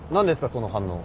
その反応。